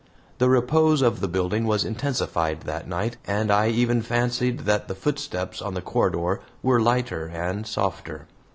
The repose of the building was intensified that night, and I even fancied that the footsteps on the corridor were lighter and softer.